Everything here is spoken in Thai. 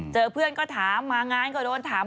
เจอเพื่อนก็ถามมางานก็โดนถาม